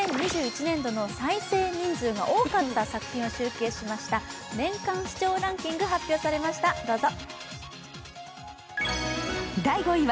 再生人数が多かった作品を集計しました年間視聴ランキングが発表されました、どうぞ。